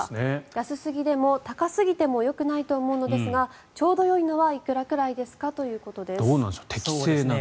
安すぎでも高すぎてもよくないと思うのですがちょうどよいのはいくらくらいですかということですね。